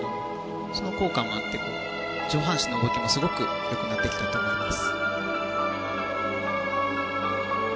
その効果もあって上半身の動きもすごくよくなってきていると思います。